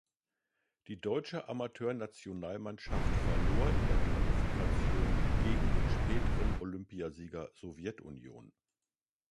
Die deutsche Amateurnationalmannschaft verlor in der Qualifikation gegen den späteren Olympiasieger Sowjetunion.